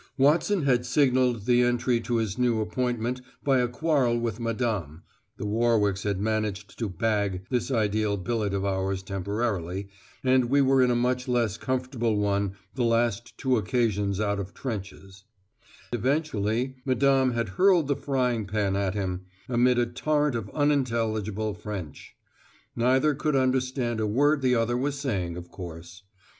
Watson had signalised the entry to his new appointment by a quarrel with Madame (the Warwicks had managed to "bag" this ideal billet of ours temporarily, and we were in a much less comfortable one the last two occasions out of trenches); eventually Madame had hurled the frying pan at him, amid a torrent of unintelligible French; neither could understand a word the other was saying, of course.